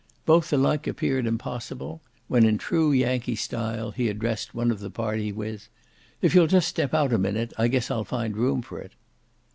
Both alike appeared impossible; when, in true Yankee style he addressed one of our party with. If you'll just step out a minute, I guess I'll find room for it."